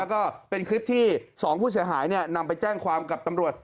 ก็เป็นคลิปที่๒ผู้เสียหายนำไปแจ้งความกับตำรวจ